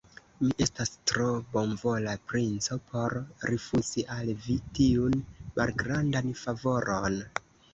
Mi estas tro bonvola princo por rifuzi al vi tiun malgrandan favoron.